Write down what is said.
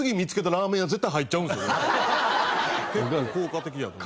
結構効果的やと思う。